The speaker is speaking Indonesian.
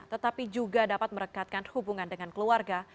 tetapi juga dapat merekatkan hubungan dengan keluarga